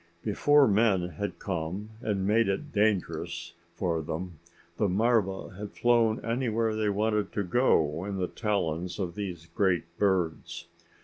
Before men had come and made it dangerous for them, the marva had flown anywhere they wanted to go in the talons of these great birds.